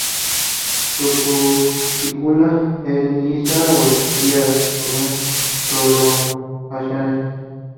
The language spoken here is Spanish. Su cutícula es lisa o estriada o con prolongaciones.